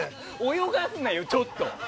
泳がすなよ、ちょっと。